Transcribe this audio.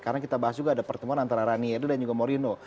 karena kita bahas juga ada pertemuan antara ranieri dan juga morino